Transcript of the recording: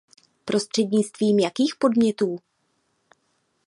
Prostřednictvím jakých podnětů?